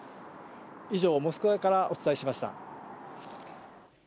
以上、モスクワからお伝えしました。